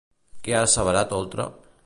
Què ha asseverat Oltra?